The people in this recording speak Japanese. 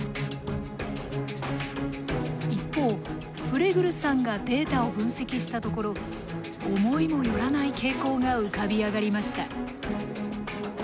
一方フレグルさんがデータを分析したところ思いも寄らない傾向が浮かび上がりました。